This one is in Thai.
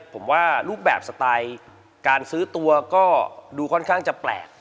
ผมว่ารูปแบบสไตล์การซื้อตัวก็ดูค่อนข้างจะแปลก